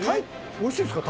おいしいですか？